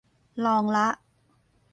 ลองละ